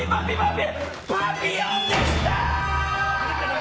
パピヨンでしたー！